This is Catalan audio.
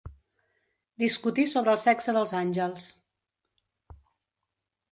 Discutir sobre el sexe dels àngels.